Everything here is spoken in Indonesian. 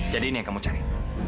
jadi ini yang kamu cari